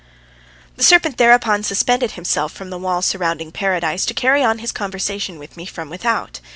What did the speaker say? The serpent thereupon suspended himself from the wall surrounding Paradise, to carry on his conversation with me from without.